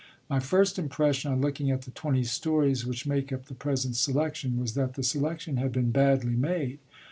My first impression, on looking at the twenty stories which make up the present selection, was that the selection had been badly made.